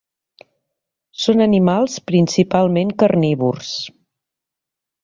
Són animals principalment carnívors.